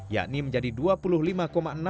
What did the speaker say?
yakni menjadi rp dua puluh lima enam puluh tujuh juta